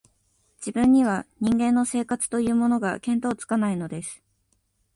自分には、人間の生活というものが、見当つかないのです